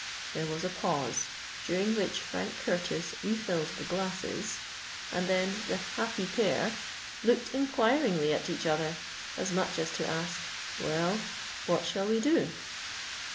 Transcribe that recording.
There was a pause, during which Frank Curtis refilled the glasses; and then the "happy pair" looked inquiringly at each other, as much as to ask, "Well, what shall we do?"